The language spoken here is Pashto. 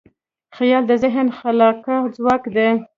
خیال د ذهن خلاقه ځواک دی.